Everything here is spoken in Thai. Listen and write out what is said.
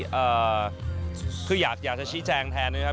อยากฉันอยากที่แจ้งแทนนะค่ะ